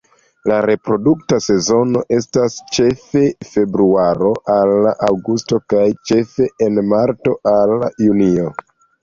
La reprodukta sezono estas ĉefe februaro al aŭgusto kaj ĉefe en marto al junio.